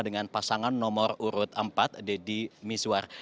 dengan pasangan nomor urut empat deddy miswar